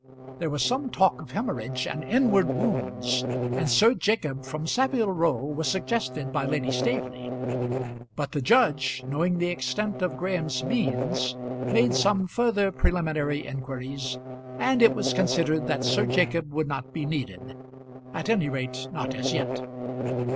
There was some talk of hæmorrhage and inward wounds, and Sir Jacob from Saville Row was suggested by Lady Staveley. But the judge, knowing the extent of Graham's means, made some further preliminary inquiries, and it was considered that Sir Jacob would not be needed at any rate not as yet.